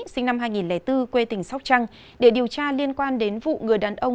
sinh năm hai nghìn bốn quê tỉnh sóc trăng để điều tra liên quan đến vụ người đàn ông